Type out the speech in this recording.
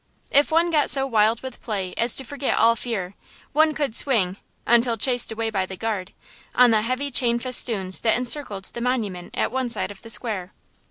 If one got so wild with play as to forget all fear, one could swing, until chased away by the guard, on the heavy chain festoons that encircled the monument at one side of the square.